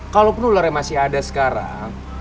kalaupun ularnya masih ada sekarang